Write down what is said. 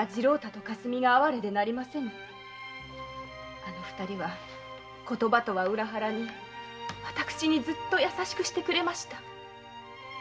あの二人は言葉とは裏腹に私にずっと優しくしてくれました。